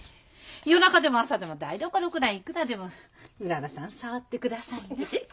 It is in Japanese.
夜中でも朝でも台所くらいいくらでもうららさん触ってくださいね。